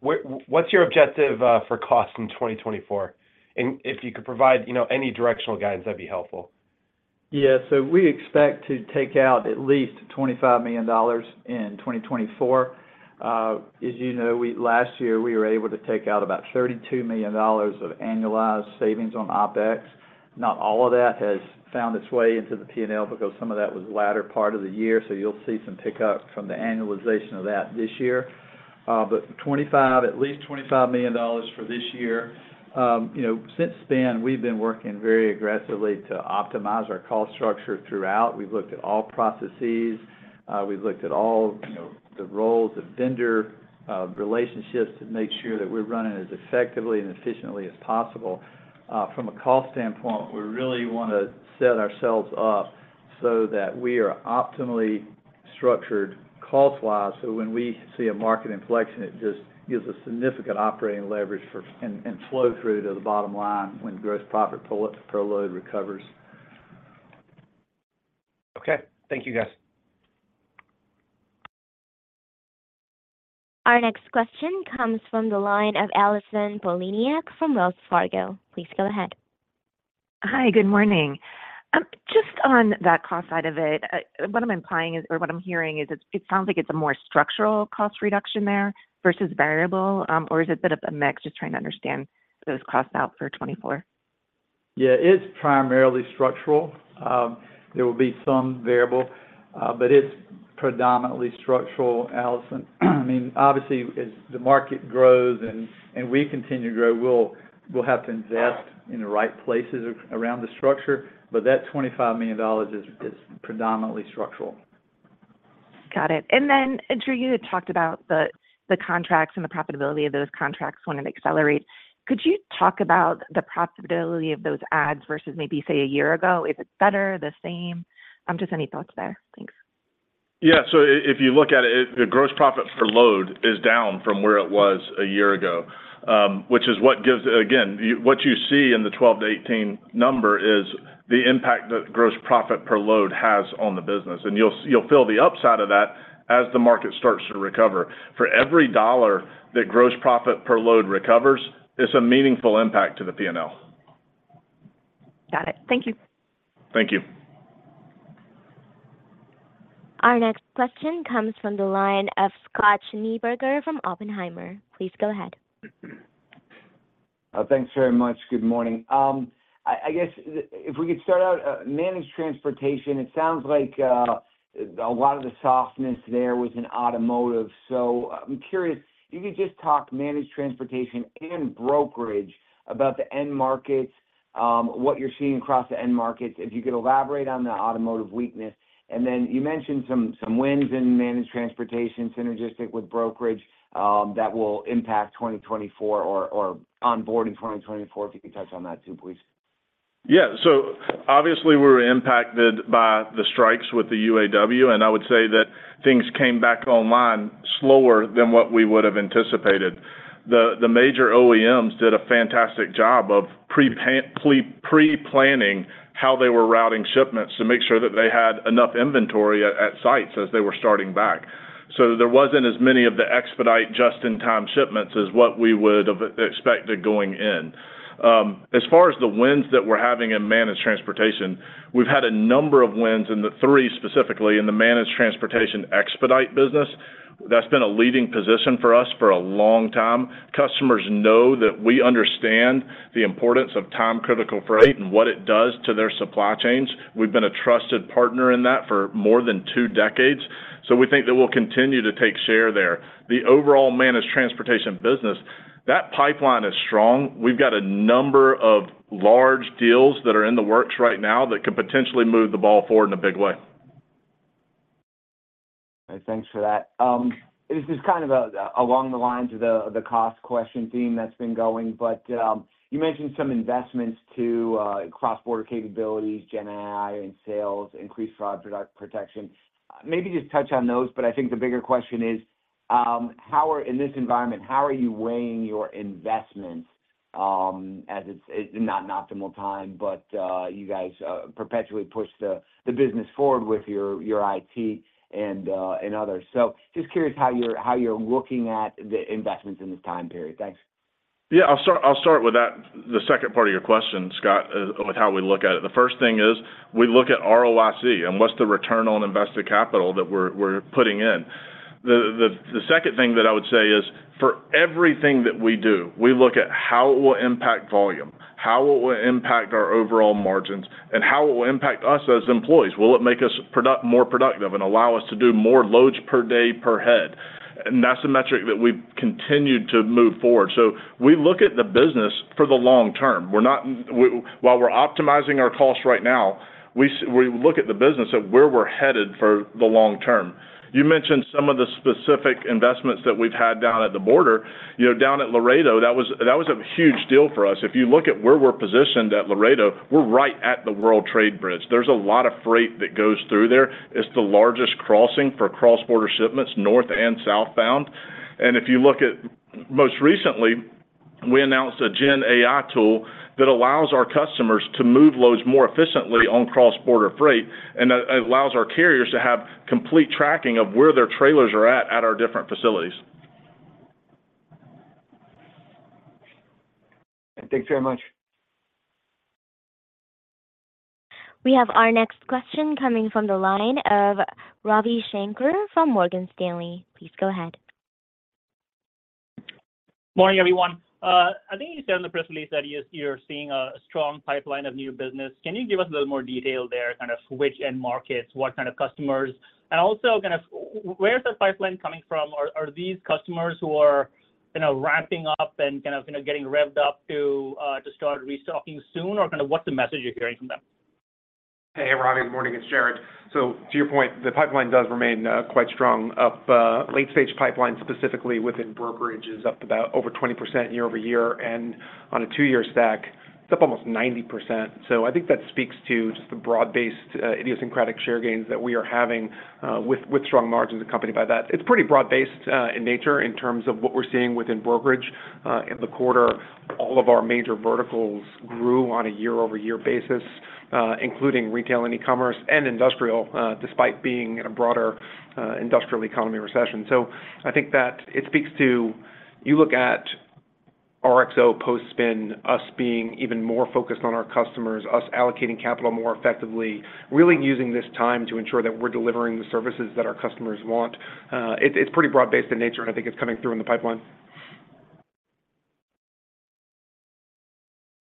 what's your objective for cost in 2024? And if you could provide, you know, any directional guidance, that'd be helpful. Yeah. So we expect to take out at least $25 million in 2024. As you know, last year, we were able to take out about $32 million of annualized savings on OpEx. Not all of that has found its way into the P&L because some of that was the latter part of the year, so you'll see some pickup from the annualization of that this year. But $25, at least $25 million for this year. You know, since then, we've been working very aggressively to optimize our cost structure throughout. We've looked at all processes, we've looked at all, you know, the roles of vendor relationships to make sure that we're running as effectively and efficiently as possible. From a cost standpoint, we really want to set ourselves up so that we are optimally structured cost-wise, so when we see a market inflection, it just gives a significant operating leverage and flow through to the bottom line when gross profit per load recovers. Okay. Thank you, guys. Our next question comes from the line of Allison Poliniak from Wells Fargo. Please go ahead. Hi, good morning. Just on that cost side of it, what I'm implying is, or what I'm hearing is it, it sounds like it's a more structural cost reduction there versus variable, or is it a bit of a mix? Just trying to understand those costs out for 2024. Yeah, it's primarily structural. There will be some variable, but it's predominantly structural, Allison. I mean, obviously, as the market grows and we continue to grow, we'll have to invest in the right places around the structure, but that $25 million is predominantly structural. Got it. And then, Drew, you had talked about the, the contracts and the profitability of those contracts when it accelerates. Could you talk about the profitability of those adds versus maybe, say, a year ago? Is it better, the same? Just any thoughts there. Thanks. Yeah, so if you look at it, the gross profit per load is down from where it was a year ago, which is what gives—Again, what you see in the 12 to 18 number is the impact that gross profit per load has on the business, and you'll feel the upside of that as the market starts to recover. For every $1 that gross profit per load recovers, it's a meaningful impact to the P&L. Got it. Thank you. Thank you. Our next question comes from the line of Scott Schneeberger from Oppenheimer. Please go ahead. Thanks very much. Good morning. I guess if we could start out, Managed Transportation, it sounds like a lot of the softness there was in automotive. So I'm curious, if you could just talk Managed Transportation and brokerage about the end markets, what you're seeing across the end markets, if you could elaborate on the automotive weakness. And then you mentioned some, some wins in Managed Transportation, synergistic with brokerage, that will impact 2024 or, or onboard in 2024. If you could touch on that too, please. Yeah. So obviously, we're impacted by the strikes with the UAW, and I would say that things came back online slower than what we would have anticipated. The major OEMs did a fantastic job of preplanning how they were routing shipments to make sure that they had enough inventory at sites as they were starting back. So there wasn't as many of the expedite just-in-time shipments as what we would have expected going in. As far as the wins that we're having in Managed Transportation, we've had a number of wins, and the three specifically in the Managed Transportation expedite business, that's been a leading position for us for a long time. Customers know that we understand the importance of time-critical freight and what it does to their supply chains. We've been a trusted partner in that for more than two decades, so we think that we'll continue to take share there. The overall Managed Transportation business, that pipeline is strong. We've got a number of large deals that are in the works right now that could potentially move the ball forward in a big way. Thanks for that. This is kind of along the lines of the cost question theme that's been going, but you mentioned some investments to cross-border capabilities, GenAI, and sales, increased fraud protection. Maybe just touch on those, but I think the bigger question is, in this environment, how are you weighing your investments, as it's not an optimal time, but you guys perpetually push the business forward with your IT and others. So just curious how you're looking at the investments in this time period. Thanks. Yeah, I'll start with that, the second part of your question, Scott, with how we look at it. The first thing is, we look at ROIC, and what's the return on invested capital that we're putting in? The second thing that I would say is, for everything that we do, we look at how it will impact volume, how it will impact our overall margins, and how it will impact us as employees. Will it make us more productive and allow us to do more loads per day, per head? And that's the metric that we've continued to move forward. So we look at the business for the long term. We're not while we're optimizing our costs right now, we look at the business of where we're headed for the long term. You mentioned some of the specific investments that we've had down at the border. You know, down at Laredo, that was, that was a huge deal for us. If you look at where we're positioned at Laredo, we're right at the World Trade Bridge. There's a lot of freight that goes through there. It's the largest crossing for cross-border shipments, north and southbound.... And if you look at most recently, we announced a GenAI tool that allows our customers to move loads more efficiently on cross-border freight, and it allows our carriers to have complete tracking of where their trailers are at, at our different facilities. Thanks very much. We have our next question coming from the line of Ravi Shanker from Morgan Stanley. Please go ahead. Morning, everyone. I think you said in the press release that you're seeing a strong pipeline of new business. Can you give us a little more detail there, kind of which end markets, what kind of customers? And also, kind of where is the pipeline coming from? Are these customers who are, you know, ramping up and kind of, you know, getting revved up to start restocking soon, or kind of what's the message you're hearing from them? Hey, Ravi. Good morning, it's Jared. So to your point, the pipeline does remain quite strong. Late-stage pipeline, specifically within brokerage, is up about over 20% year-over-year, and on a two-year stack, it's up almost 90%. So I think that speaks to just the broad-based idiosyncratic share gains that we are having with strong margins accompanied by that. It's pretty broad-based in nature in terms of what we're seeing within brokerage in the quarter. All of our major verticals grew on a year-over-year basis, including retail and e-commerce and industrial, despite being in a broader industrial economy recession. So I think that it speaks to you look at RXO post spin, us being even more focused on our customers, us allocating capital more effectively, really using this time to ensure that we're delivering the services that our customers want. It's pretty broad-based in nature, and I think it's coming through in the pipeline.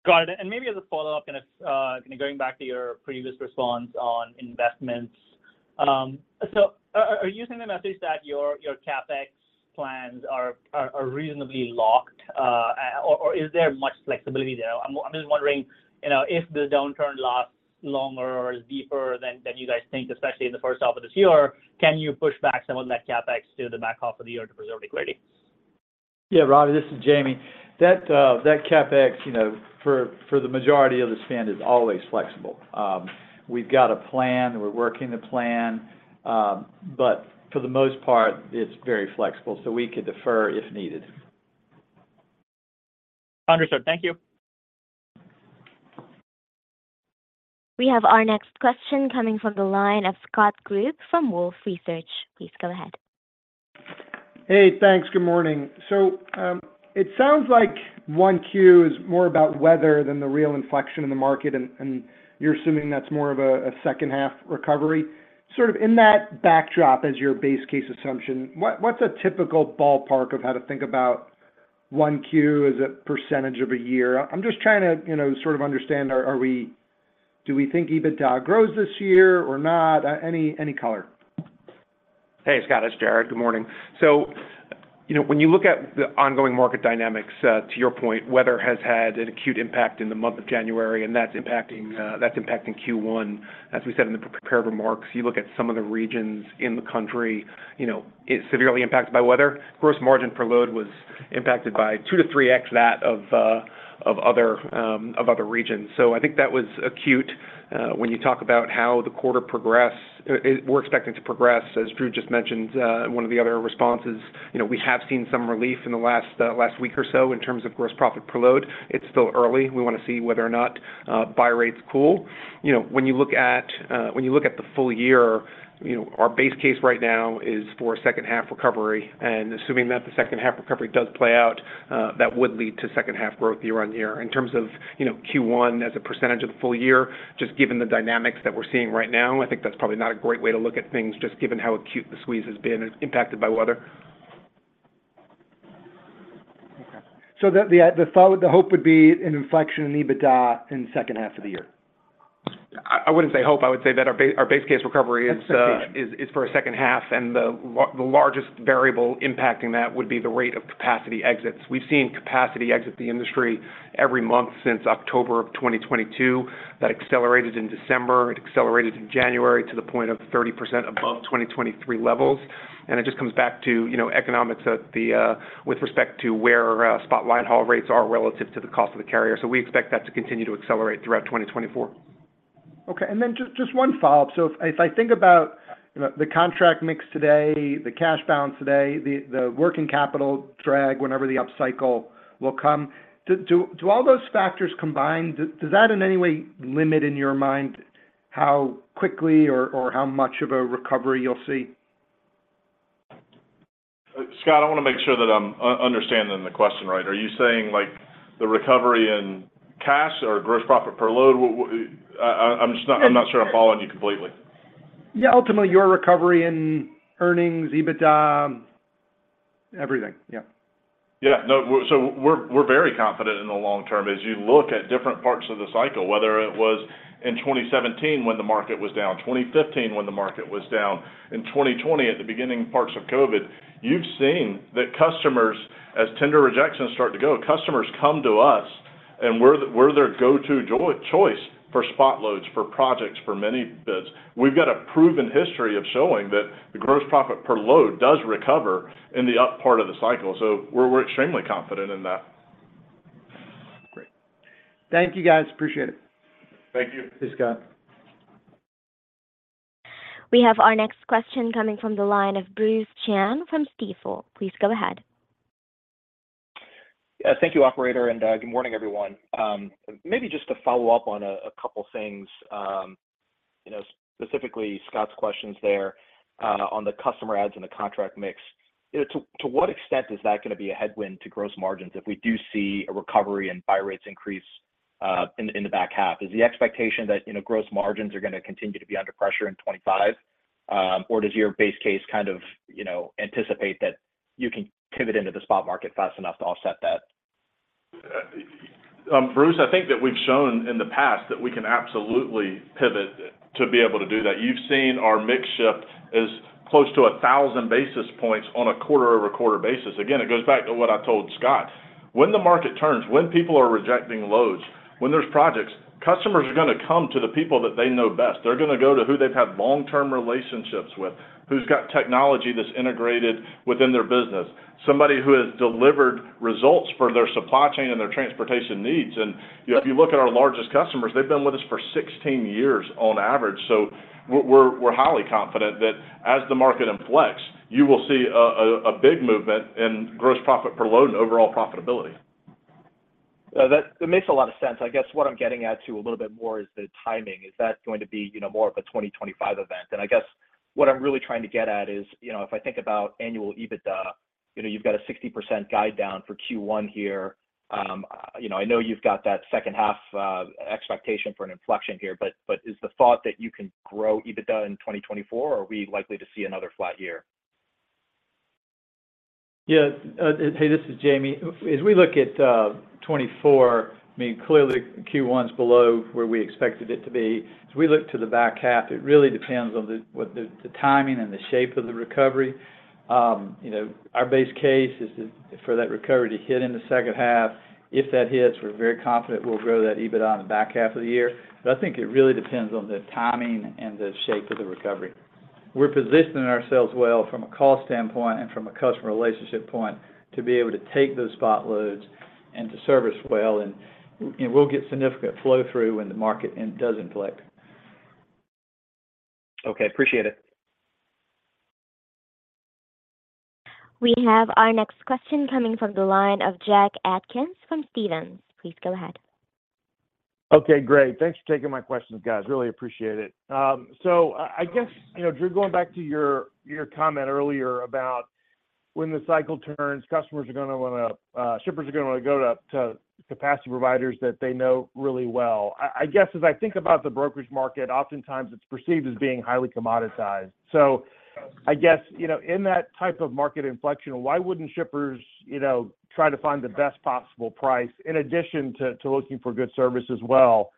Got it. And maybe as a follow-up, kind of, kind of going back to your previous response on investments. So are, are you saying the message that your, your CapEx plans are, are, are reasonably locked, or, or is there much flexibility there? I'm, I'm just wondering, you know, if the downturn lasts longer or is deeper than, than you guys think, especially in the first half of this year, can you push back some of that CapEx to the back half of the year-to-preserve liquidity? Yeah, Ravi, this is Jamie. That CapEx, you know, for the majority of the spend is always flexible. We've got a plan, we're working the plan, but for the most part, it's very flexible, so we could defer if needed. Understood. Thank you. We have our next question coming from the line of Scott Group from Wolfe Research. Please go ahead. Hey, thanks. Good morning. So, it sounds like 1Q is more about weather than the real inflection in the market, and, and you're assuming that's more of a, a second half recovery. Sort of in that backdrop as your base case assumption, what's a typical ballpark of how to think about 1Q as a percentage of a year? I'm just trying to, you know, sort of understand, are, are we- do we think EBITDA grows this year or not? Any, any color. Hey, Scott, it's Jared. Good morning. So, you know, when you look at the ongoing market dynamics, to your point, weather has had an acute impact in the month of January, and that's impacting Q1. As we said in the prepared remarks, you look at some of the regions in the country, you know, it's severely impacted by weather. Gross margin per load was impacted by 2-3x that of other regions. So I think that was acute when you talk about how the quarter progressed, it. We're expecting to progress, as Drew just mentioned, in one of the other responses. You know, we have seen some relief in the last week or so in terms of gross profit per load. It's still early. We want to see whether or not buy rates cool. You know, when you look at the full year, you know, our base case right now is for a second half recovery, and assuming that the second half recovery does play out, that would lead to second half growth year-on-year. In terms of, you know, Q1 as a percentage of the full year, just given the dynamics that we're seeing right now, I think that's probably not a great way to look at things, just given how acute the squeeze has been impacted by weather. Okay. So the hope would be an inflection in EBITDA in the second half of the year? I wouldn't say hope. I would say that our base case recovery is for a second half, and the largest variable impacting that would be the rate of capacity exits. We've seen capacity exit the industry every month since October of 2022. That accelerated in December, it accelerated in January to the point of 30% above 2023 levels, and it just comes back to, you know, economics of the, with respect to where spot line haul rates are relative to the cost of the carrier. So we expect that to continue to accelerate throughout 2024. Okay, and then just one follow-up. So if I think about, you know, the contract mix today, the cash balance today, the working capital drag, whenever the upcycle will come, do all those factors combine? Does that in any way limit, in your mind, how quickly or how much of a recovery you'll see? Scott, I want to make sure that I'm understanding the question right. Are you saying, like, the recovery in cash or gross profit per load? I'm just not— Yeah... I'm not sure I'm following you completely. Yeah, ultimately, your recovery in earnings, EBITDA, everything. Yeah. Yeah. No, we're—so we're, we're very confident in the long term. As you look at different parts of the cycle, whether it was in 2017 when the market was down, 2015 when the market was down, in 2020 at the beginning parts of COVID, you've seen that customers, as tender rejections start to go, customers come to us, and we're, we're their go-to choice for spot loads, for projects, for many bids. We've got a proven history of showing that the gross profit per load does recover in the up part of the cycle, so we're, we're extremely confident in that. Great. Thank you, guys. Appreciate it. Thank you. Thanks, Scott. We have our next question coming from the line of Bruce Chan from Stifel. Please go ahead. Thank you, operator, and good morning, everyone. Maybe just to follow up on a couple things, you know, specifically Scott's questions there, on the customer adds and the contract mix. You know, to what extent is that gonna be a headwind to gross margins if we do see a recovery and buy rates increase, in the back half? Is the expectation that, you know, gross margins are gonna continue to be under pressure in 2025? Or does your base case kind of, you know, anticipate that you can pivot into the spot market fast enough to offset that? Bruce, I think that we've shown in the past that we can absolutely pivot to be able to do that. You've seen our mix shift is close to 1,000 basis points on a quarter-over-quarter basis. Again, it goes back to what I told Scott. When the market turns, when people are rejecting loads, when there's projects, customers are gonna come to the people that they know best. They're gonna go to who they've had long-term relationships with, who's got technology that's integrated within their business, somebody who has delivered results for their supply chain and their transportation needs. And, you know, if you look at our largest customers, they've been with us for 16 years on average. So we're highly confident that as the market inflects, you will see a big movement in gross profit per load and overall profitability. That makes a lot of sense. I guess what I'm getting at to a little bit more is the timing. Is that going to be, you know, more of a 2025 event? I guess what I'm really trying to get at is, you know, if I think about annual EBITDA, you know, you've got a 60% guide down for Q1 here. You know, I know you've got that second half expectation for an inflection here, but, but is the thought that you can grow EBITDA in 2024, or are we likely to see another flat year? Yeah. Hey, this is Jamie. As we look at 2024, I mean, clearly, Q1's below where we expected it to be. As we look to the back half, it really depends on what the timing and the shape of the recovery. You know, our base case is for that recovery to hit in the second half. If that hits, we're very confident we'll grow that EBITDA in the back half of the year. But I think it really depends on the timing and the shape of the recovery. We're positioning ourselves well from a cost standpoint and from a customer relationship point to be able to take those spot loads and to service well, and, you know, we'll get significant flow-through when the market does inflection. Okay, appreciate it. We have our next question coming from the line of Jack Atkins from Stephens. Please go ahead. Okay, great. Thanks for taking my questions, guys. Really appreciate it. So I guess, you know, Drew, going back to your comment earlier about when the cycle turns, customers are gonna wanna shippers are gonna go to capacity providers that they know really well. I guess, as I think about the brokerage market, oftentimes it's perceived as being highly commoditized. So I guess, you know, in that type of market inflection, why wouldn't shippers, you know, try to find the best possible price in addition to looking for good service as well?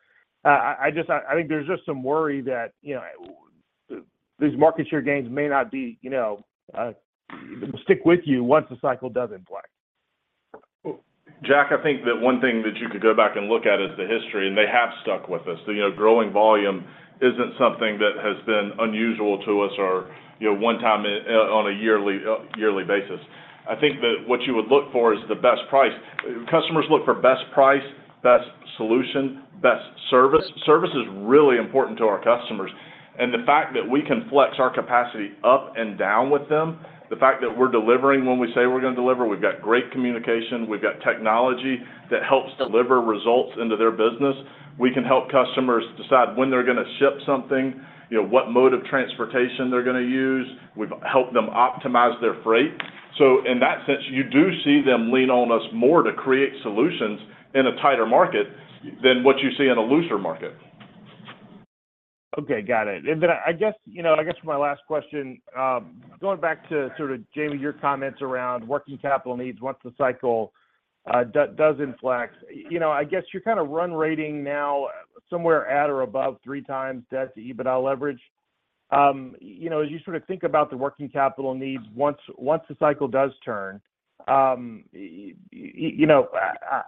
I just think there's just some worry that, you know, these market share gains may not be, you know, stick with you once the cycle does inflection. Jack, I think that one thing that you could go back and look at is the history, and they have stuck with us. So, you know, growing volume isn't something that has been unusual to us or, you know, one time, on a yearly, yearly basis. I think that what you would look for is the best price. Customers look for best price, best solution, best service. Service is really important to our customers, and the fact that we can flex our capacity up and down with them, the fact that we're delivering when we say we're gonna deliver, we've got great communication, we've got technology that helps deliver results into their business. We can help customers decide when they're gonna ship something, you know, what mode of transportation they're gonna use. We've helped them optimize their freight. So in that sense, you do see them lean on us more to create solutions in a tighter market than what you see in a looser market. Okay, got it. And then I guess, you know, I guess for my last question, going back to sort of, Jamie, your comments around working capital needs once the cycle does inflect. You know, I guess you're kind of run-rating now somewhere at or above 3x debt-to-EBITDA leverage. You know, as you sort of think about the working capital needs, once the cycle does turn, you know,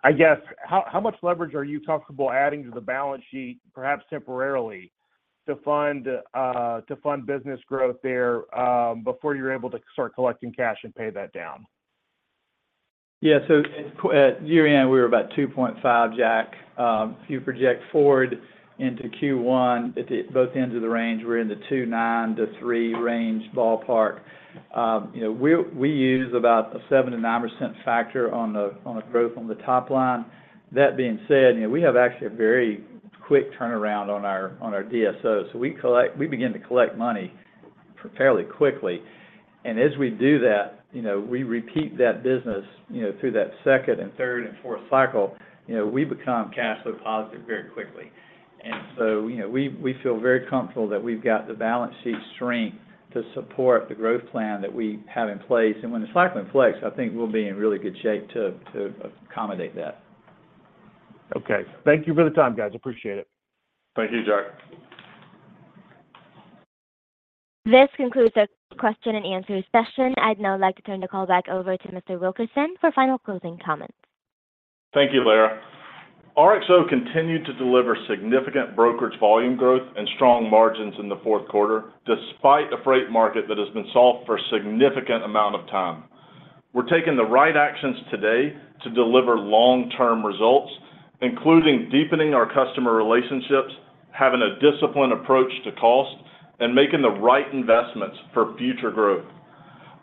I guess, how much leverage are you comfortable adding to the balance sheet, perhaps temporarily, to fund business growth there, before you're able to start collecting cash and pay that down? Yeah. So at year-end, we were about 2.5, Jack. If you project forward into Q1, at both ends of the range, we're in the 2.9-3 range ballpark. You know, we use about a 7%-9% factor on the growth on the top line. That being said, you know, we have actually a very quick turnaround on our DSOs. So we begin to collect money fairly quickly, and as we do that, you know, we repeat that business through that second and third and fourth cycle. You know, we become cash flow positive very quickly. And so, you know, we feel very comfortable that we've got the balance sheet strength to support the growth plan that we have in place. When the cycle inflects, I think we'll be in really good shape to accommodate that. Okay. Thank you for the time, guys. I appreciate it. Thank you, Jack. This concludes the question and answer session. I'd now like to turn the call back over to Mr. Wilkerson for final closing comments. Thank you, Lara. RXO continued to deliver significant brokerage volume growth and strong margins in the fourth quarter, despite a freight market that has been soft for a significant amount of time. We're taking the right actions today to deliver long-term results, including deepening our customer relationships, having a disciplined approach to cost, and making the right investments for future growth.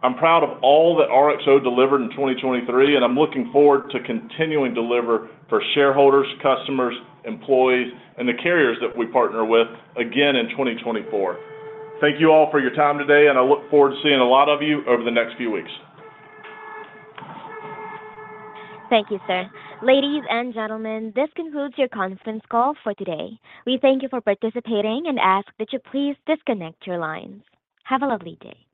I'm proud of all that RXO delivered in 2023, and I'm looking forward to continuing to deliver for shareholders, customers, employees, and the carriers that we partner with again in 2024. Thank you all for your time today, and I look forward to seeing a lot of you over the next few weeks. Thank you, sir. Ladies and gentlemen, this concludes your conference call for today. We thank you for participating and ask that you please disconnect your lines. Have a lovely day.